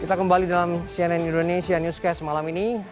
kita kembali dalam cnn indonesia newscast malam ini